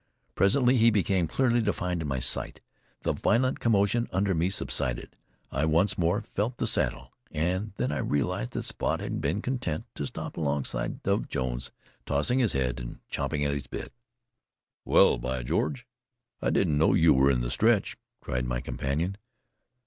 Presently he became clearly defined in my sight; the violent commotion under me subsided; I once more felt the saddle, and then I realized that Spot had been content to stop alongside of Jones, tossing his head and champing his bit. "Well, by George! I didn't know you were in the stretch," cried my companion.